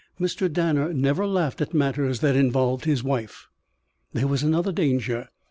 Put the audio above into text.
Mr. Danner never laughed at matters that involved his wife. There was another danger.